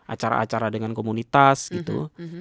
acara acara dengan komunitas gitu